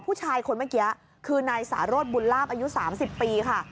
ผู้ชายคนเมื่อกี้คือนายสารสบุญลาบอายุ๓๐ปีค่ะ